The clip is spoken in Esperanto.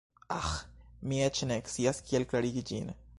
Aĥ, mi eĉ ne scias kiel klarigi ĝin.